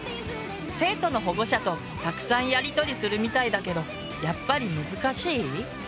生徒の保護者とたくさんやりとりするみたいだけどやっぱり難しい？